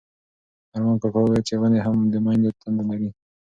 ارمان کاکا وویل چې ونې هم د مینې تنده لري.